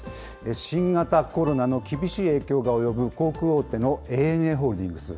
新型コロナの厳しい影響が及ぶ航空大手のＡＮＡホールディングス。